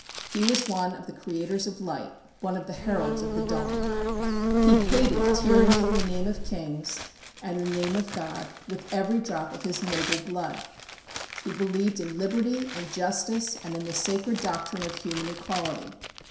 He was one of the creators of light; one of the heralds of the dawn. He hated tyranny in the name of kings, and in the name of God, with every drop of his noble blood. He believed in liberty and justice, and in the sacred doctrine of human equality.